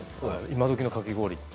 今どきのかき氷。